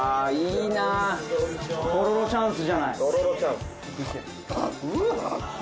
とろろチャンスじゃない。